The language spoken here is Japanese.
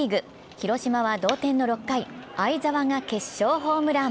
広島は同点の６回、會澤が決勝ホームラン。